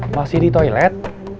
masih di toilet